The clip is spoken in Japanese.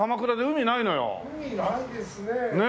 海ないですね。